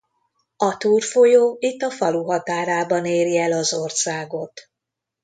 A Túr folyó itt a falu határában éri el az országot.